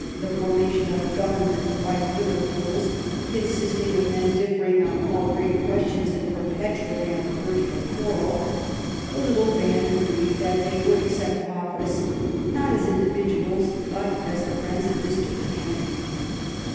ibe formation of a " Government like Liverpoors, con sisting of men differing on all great questions, and perpetually on the verge of a quarrel/' the little band agreed tbat they would accept office — not as individuals, but as the friends of Mr. Canning.